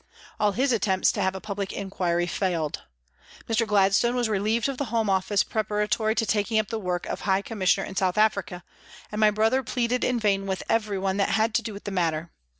All his attempts to have a public inquiry failed. Mr. Gladstone was relieved of the Home Office pre paratory to taking up the work of High Commis sioner in South Africa, and my brother pleaded in vain with everyone that had to do with the matter.